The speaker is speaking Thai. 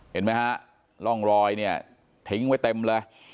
เห็นไหมฮะร่องรอยเนี่ยทิ้งไว้เต็มเลย